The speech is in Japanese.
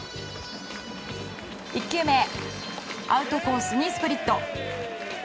１球目アウトコースにスプリット。